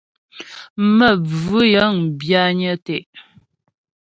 Məvʉ́ yə̂ŋ bwányə́ tə́'.